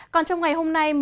còn trong ngày hôm nay